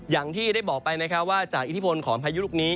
อย่างที่ได้บอกไปนะครับว่าจากอิทธิพลของพายุลูกนี้